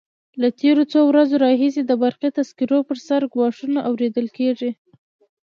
له تېرو څو ورځو راهیسې د برقي تذکرو پر سر ګواښونه اورېدل کېږي.